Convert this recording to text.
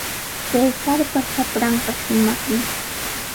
Cesarpa shapranqa shumaqmi.